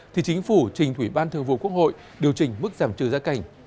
thì chính phủ trình thủy ban thường vụ quốc hội điều chỉnh mức giảm trừ gia cảnh